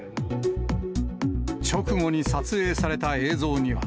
直後に撮影された映像には。